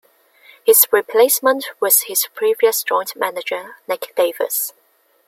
His replacement was his previous joint manager Nick Davis.